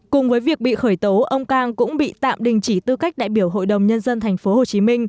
cùng với việc bị khởi tố ông cang cũng bị tạm đình chỉ tư cách đại biểu hội đồng nhân dân tp hcm